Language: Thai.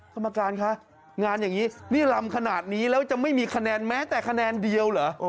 กรรมการคะงานอย่างนี้นี่ลำขนาดนี้แล้วจะไม่มีคะแนนแม้แต่คะแนนเดียวเหรอ